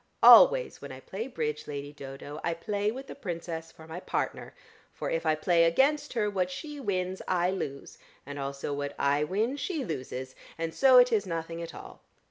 Always, when I play Bridge, Lady Dodo, I play with the Princess for my partner, for if I play against her, what she wins I lose and also what I win she loses, and so it is nothing at all.